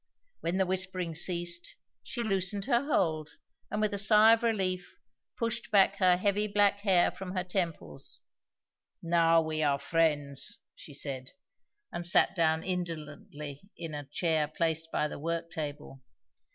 When the whispering ceased, she loosened her hold, and, with a sigh of relief, pushed back her heavy black hair from her temples. "Now we are friends," she said, and sat down indolently in a chair placed by the worktable.